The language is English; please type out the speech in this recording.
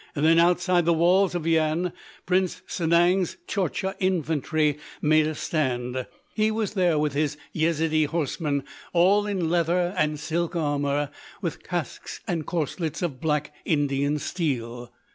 Then, outside the walls of Yian, Prince Sanang's Tchortcha infantry made a stand. He was there with his Yezidee horsemen, all in leather and silk armour with casques and corselets of black Indian steel.